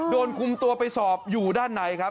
โดนคุมตัวไปสอบอยู่ด้านในครับ